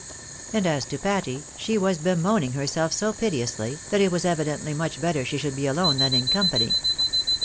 And as to Patty, she was bemoaning herself so piteously, that it was evidently much better she should be alone than in company.